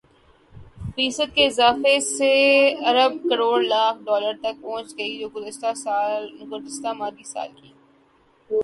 فیصد کے اضافے سے ارب کروڑ لاکھ ڈالر تک پہنچ گئی جو گزشتہ مالی سال کی